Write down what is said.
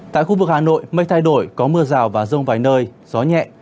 tại khu vực hà nội mây thay đổi có mưa rào và rông vài nơi gió nhẹ